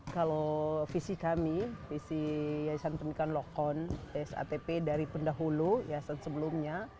kalau visi kami visi yayasan pendidikan lokon satp dari pendahulu yassan sebelumnya